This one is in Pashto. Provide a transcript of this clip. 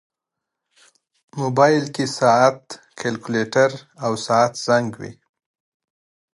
موبایل کې ساعت، کیلکولیټر، او ساعت زنګ وي.